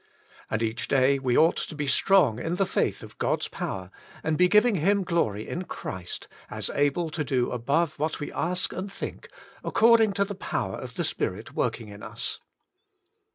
And each day we ought to be strong in the faith of God's power, and be giving Him glory in Christ, as able to do above what we ask and think, according to the power of the Spirit working in us.